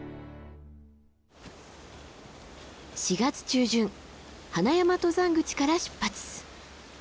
４月中旬花山登山口から出発。